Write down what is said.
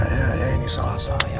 ya ya ya ini salah saya